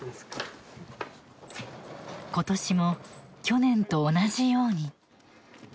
今年も去年と同じように。